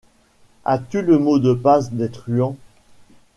As-tu le mot de passe des truands ?